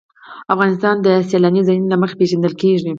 افغانستان د سیلانی ځایونه له مخې پېژندل کېږي.